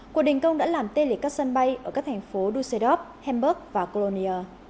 cuộc đình công đã làm tê lịch các sân bay ở các thành phố dusseldorf hamburg và cologne